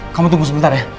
kamu tunggu sebentar ya